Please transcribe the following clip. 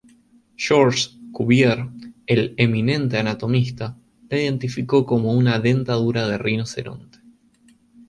Georges Cuvier, el eminente anatomista, la identificó como una dentadura de rinoceronte.